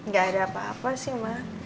gak ada apa apa sih mak